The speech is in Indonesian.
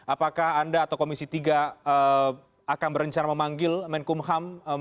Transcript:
apakah anda atau komisi tiga akan berencana memanggil menkumham